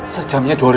sejamnya rp dua an